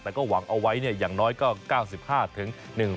แต่ก็หวังเอาไว้อย่างน้อยก็๙๕๑๐๐เหรียญทอง